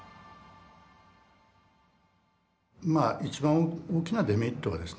まあ一番大きなデメリットはですね